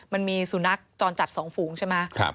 มันมีสุนัขจรจัด๒ฝูงใช่ไหม